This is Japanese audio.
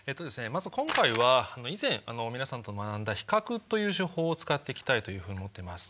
まず今回は以前皆さんと学んだ比較という手法を使っていきたいというふうに思ってます。